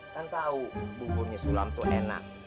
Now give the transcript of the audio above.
kan tau buburnya sulam tuh enak